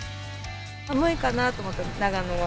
寒いかなと思って、長野は。